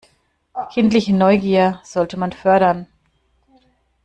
Kindliche Neugier sollte man fördern.